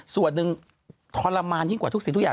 ส่วนหนึ่งทรมานยิ่งกว่าทุกสิ่งทุกอย่าง